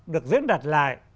được diễn đạt lại